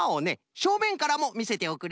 しょうめんからもみせておくれ！